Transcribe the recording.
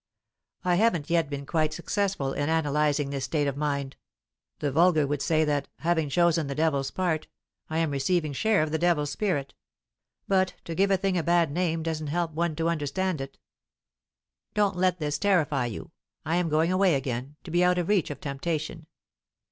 I haven't yet been quite successful in analyzing this state of mind. The vulgar would say that, having chosen the devil's part, I am receiving share of the devil's spirit. But to give a thing a bad name doesn't help one to understand it. "Don't let this terrify you. I am going away again, to be out of reach of temptation.